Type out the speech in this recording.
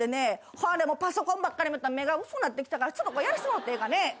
ほんでパソコンばっかり見てたら目が薄ぅなってきたからちょっとこれやらしてもうてええかね。